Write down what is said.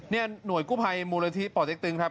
เนี่ยหน่วยกู้ภัยมูลละทีปเจ๊กตึงครับ